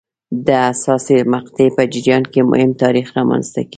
د حساسې مقطعې په جریان کې مهم نتایج رامنځته کېږي.